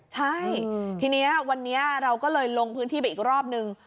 ใช่ทีนี้วันนี้เราก็เลยลงพื้นที่ไปอีกรอบนึง